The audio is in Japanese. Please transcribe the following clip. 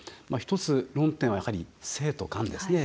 １つ論点は、やはり政と官ですね。